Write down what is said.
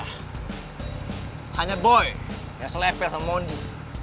hanya boy yang selepet sama mondi